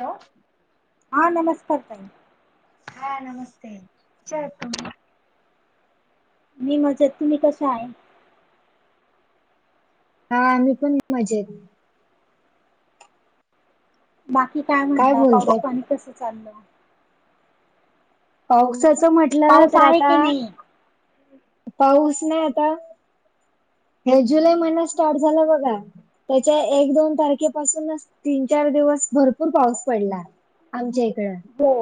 हा हा नमस्कार ताई हा नमस्ते कशा हात तुम्ही मी मजेत तुम्ही कशा आहे? हा मी पण ही मजेत बाकी काय म्हणता, पाऊस पाणी कसं चाललं. पावसाच म्हटलं पाऊस तर आहे आता की नाही पाऊस नाय आता हे जुलै महिना स्टार्ट झाला बघा त्याच्या एक दोन तारखेपासूनच तीन चार दिवस भरपूर पाऊस पडला. आमच्या इकडं हो.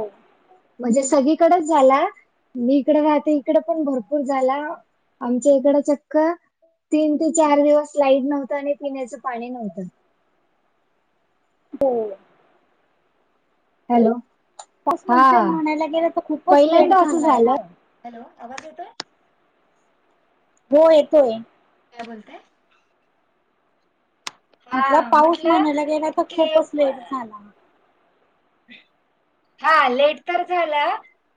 मजे सगळीकडच झाला मी इकड राहते इकड पण भरपूर झाला आमच्या इकडं चक्क तीन ते चार दिवस लाईट नव्हतं आणि पिण्याचं पाणी नव्हतं. होय. हॅलो पच म्हणजे हा म्हणायला गेलं तर खूपच लेट पहिल्यांदा असं झालाय झालं ना ओ हॅलो आवाज येतोय हो येतोय. काय बोलताय म्हटलं हा पाऊस म्हटलं म्हणायला गेला त इतके खूपच लेट प- झाला. हा लेट तर झाला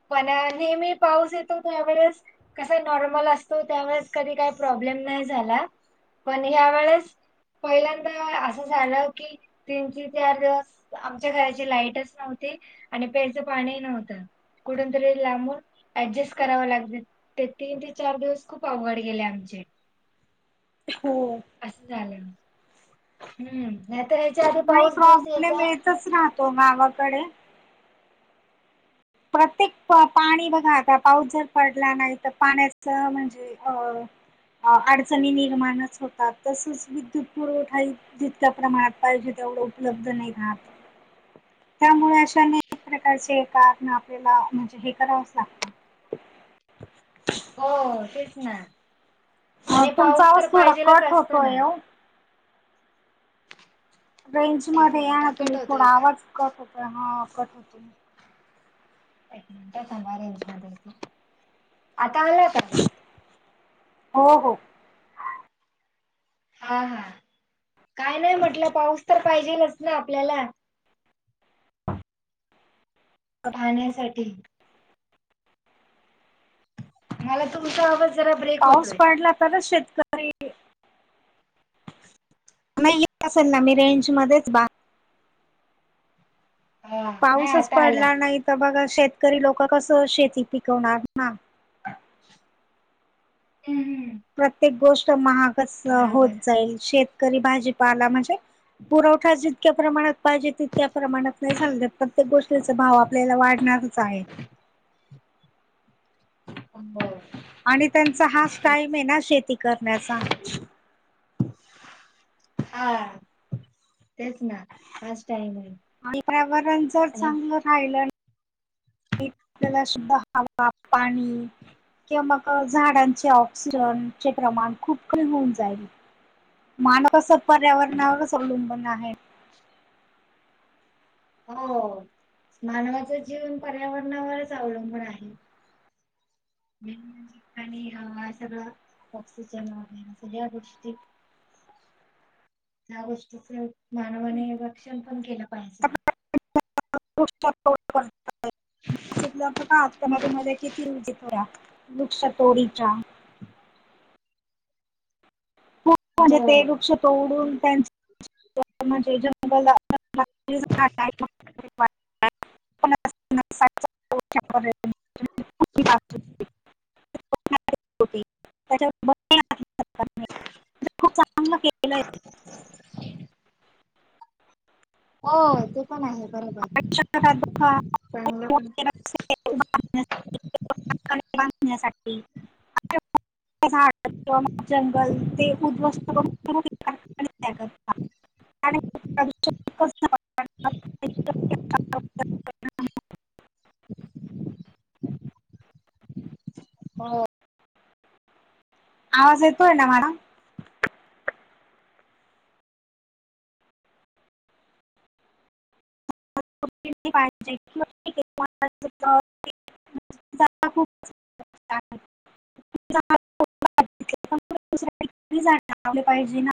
पण नेहमी पाऊस येतो त्यावेळेस कसय नॉर्मल असतो त्यावेळेस कधी काय प्रॉब्लेम नाय झाला पण ह्यावेेळेस पहिल्यांदा असं झालं की तीन त चार दिवस आमच्या घराची लाईटच नव्हती. आणि प्यायचं पाणीही नव्हतं कुठूनंतरी लांबून ऍडजस्ट करावं लागत. ते तीन ते चार दिवस खूप अवघड गेले आमचे हो. असं झाले. हम् नत काच नाही प्रॉब्लेम येतच राहतो गवाकडे प्रत्येक पाणी बघा आता पाऊस जर पडला नाही तर पाण्याच म्हणजे अडचणी निर्माणच होतात तसच विद्युत पुरवठा जितक्या प्रमाणात पाहिजे तेवढं उपलब्ध नाही राहत. त्यामुळे अशे अनेक प्रकारचे कारण आपल्याला म्हणजे हे करावत हो तेच ना. अ आणि तुमचा पाऊस तर आवाज थोडा पाहिजेलाच कट असतो ना. होतोय ओ. रेंज एक मध्ये या मिनिट ना कट तुम्ही होतोय थोडा का आवाज कट होता कट होतो. एक मिनिट समारे आता आला का? हो हो. हा हा काय नाही म्हटलं पाऊस तर पाहिजेलच ना आपल्याला पाहण्यासाठी मला तुमचा आवाज जरा ब्रेक पाऊस होतोय पडला तरच शेतकरी नाही येत असेल ना मी रेंज मध्येच बा. हा नाही पाऊसच आता आला पडला नाही तर बघा शेतकरी लोक कसं शेती पिकवणार ना. हम्म हम्म. प्रत्येक गोष्ट महागच होत बरोबर जाईल शेतकरी भाजीपाला म्हणजे परवठ. तितक्या प्रमाणात पाहिजे तितक्या प्रमाणात नाही झाल प्रत्येक गोष्टीचा भाव आपल्याला वाढणारच आहे. ह. हो. आणि त्यांचा हा तेच स्टाईम आहे ना शेती करण्याचा हा तेच ना फस् टाईम आहे. पर्यावरण जर आणि चांगलं राहिलं. आपल्याला सुद्धा हवा पाणी किंवा मग झाडांचे ऑक्सिजन चे प्रमाण खूप कमी होऊन जाईल. मान कस पर्यावरणावरच अवलंूनबन आहे. हो मानवाचं जीवन पर्यावरणावरच अवलंबून आहे. हम्. णी हवा सगळं ऑक्सिजन वगैरे सगळ्या गोष्टी त्या गोष्टीच मानवाने रक्षण पण केलं. पाहिजे. आप का आता म मझ्या किती उऊजितो या. दुख स तोरीचा ू म्हणजे हो ते वृक्ष तोडून त्यांचे [inaudible] [inaudible] त्या खूप चां केलेलं आहे. हो ते पण आहे बरोबर आणि प मुलं पण ांधण्यासाठी जंगल. ते उध्वस्त करू कुणाशी काय [inaudible] वाढणार? हो आवाज येतोय ना माडा. [inaudible] खूप जागा आहे. [inaudible] [inaudible]